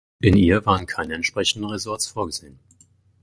In ihr waren keine entsprechenden Ressorts vorgesehen.